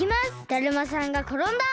だるまさんがころんだ！